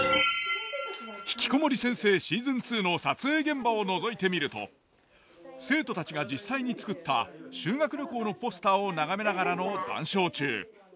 「ひきこもり先生」シーズン２の撮影現場をのぞいてみると生徒たちが実際に作った修学旅行のポスターを眺めながらの談笑中。